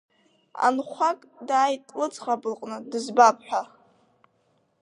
Анхәак дааит лыӡӷаб лҟны дызбап ҳәа.